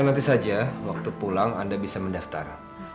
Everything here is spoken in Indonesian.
nanti saja waktu pulang anda bisa mendaftar